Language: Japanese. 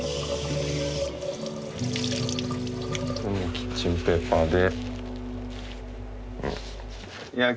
キッチンペーパーで。